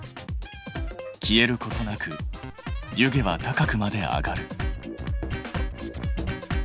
消えることなく湯気は高くまで上がる。